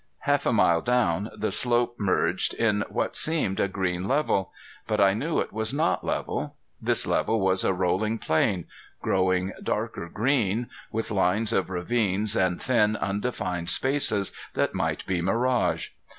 Half a mile down, the slope merged in what seemed a green level. But I knew it was not level. This level was a rolling plain, growing darker green, with lines of ravines and thin, undefined spaces that might be mirage.